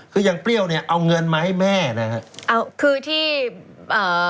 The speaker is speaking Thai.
คือยังเปรี้ยวเนี้ยเอาเงินมาให้แม่นะฮะเอาคือที่เอ่อ